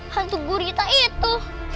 hantu gurita itu